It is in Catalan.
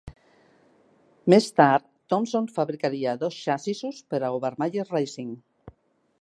Més tard, Thompson fabricaria dos xassissos per a Obermaier Racing.